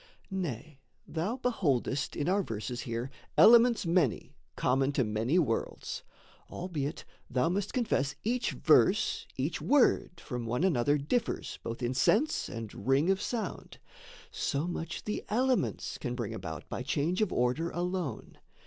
Nay, thou beholdest in our verses here Elements many, common to many worlds, Albeit thou must confess each verse, each word From one another differs both in sense And ring of sound so much the elements Can bring about by change of order alone.